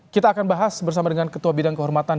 kita akan bahas bersama dengan ketua bidang kehormatan